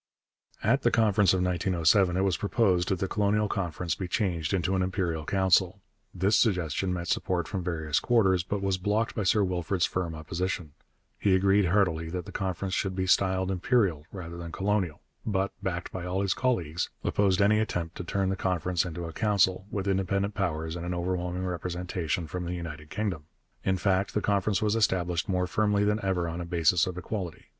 At the Conference of 1907 it was proposed that the Colonial Conference be changed into an Imperial Council. This suggestion met support from various quarters, but was blocked by Sir Wilfrid's firm opposition. He agreed heartily that the Conference should be styled Imperial rather than Colonial, but, backed by all his colleagues, opposed any attempt to turn the Conference into a Council, with independent powers and an overwhelming representation from the United Kingdom. In fact the Conference was established more firmly than ever on a basis of equality.